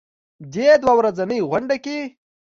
دې دوه ورځنۍ غونډه کې